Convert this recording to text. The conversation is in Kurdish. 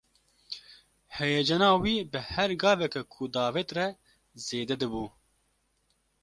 Heyecana wî bi her gaveke ku davêt re zêde dibû.